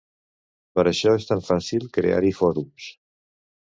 Per això és tan fàcil crear-hi fòrums.